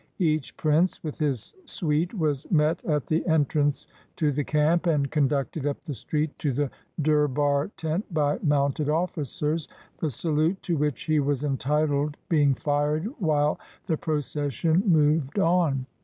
Each prince, with his suite, was met at the entrance to the camp, and con ducted up the street to the durbar tent by mounted officers, the salute to which he was entitled being fired while the procession moved on.